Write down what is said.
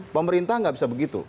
pemerintah nggak bisa begitu